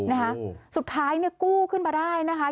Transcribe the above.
นะคะสุดท้ายเนี่ยกู้ขึ้นมาได้นะคะ